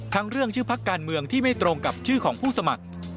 เรื่องชื่อพักการเมืองที่ไม่ตรงกับชื่อของผู้สมัคร